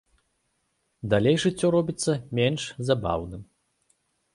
Далей жыццё робіцца менш забаўным.